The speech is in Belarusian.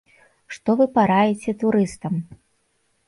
Што вы параіце турыстам?